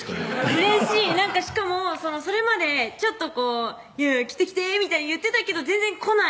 うれしいしかもそれまでちょっとこう「来て来て」みたいに言ってたけど全然来ない